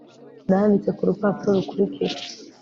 Nanditse kurupapuro rukurikira